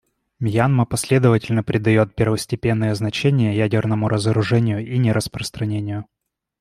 Мьянма последовательно придает первостепенное значение ядерному разоружению и нераспространению.